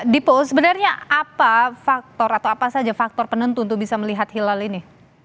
dipo sebenarnya apa faktor atau apa saja faktor penentu untuk bisa melihat hilal ini